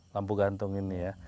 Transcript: lampu gantung ini ya